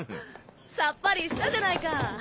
さっぱりしたじゃないか。